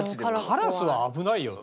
カラスは危ないよ。